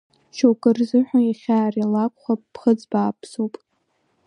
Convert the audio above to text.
Шьоукы рзыҳәа иахьа ари лакәхап, ԥхыӡ бааԥсуп!